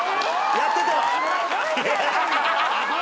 やってた。